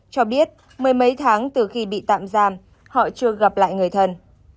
cho biết mười mấy tháng từ khi bị tạm giam họ chưa gặp lại người thân